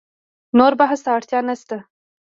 نور بحث ته اړتیا نشته.